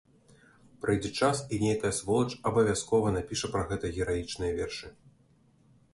Прыйдзе час і нейкая сволач абавязкова напіша пра гэта гераічныя вершы.